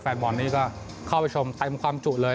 แฟนบอลนี่ก็เข้าไปชมเต็มความจุเลย